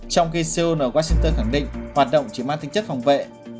trong khi seoul ở washington khẳng định hoạt động chỉ mang tính chất phòng vệ